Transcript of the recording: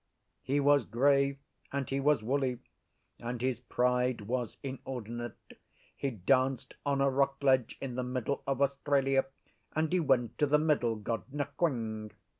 He was grey and he was woolly, and his pride was inordinate: he danced on a rock ledge in the middle of Australia, and he went to the Middle God Nquing.